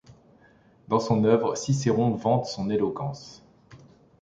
Dans son œuvre, Cicéron vante son éloquence.